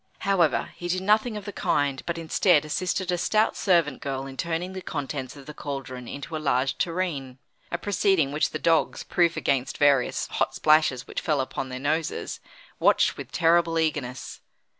However, he did nothing of the kind, but instead assisted a stout servant girl in turning the contents of the cauldron into a large tureen; a proceeding which the dogs, proof against various hot splashes which fell upon their noses, watched with terrible eagerness.